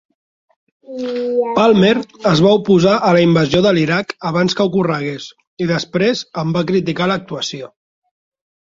Palmer es va oposar a la invasió de l'Iraq abans que ocorregués i després en va criticar l'actuació.